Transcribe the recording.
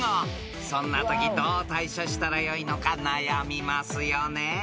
［そんなときどう対処したらよいのか悩みますよね］